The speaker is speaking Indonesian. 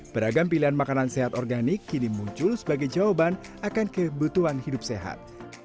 beragam pilihan makanan sehat organik kini muncul sebagai jawaban akan kebutuhan hidup sehat